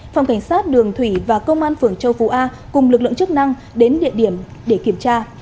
phòng cảnh sát đường thủy và công an phường châu phú a cùng lực lượng chức năng đến địa điểm để kiểm tra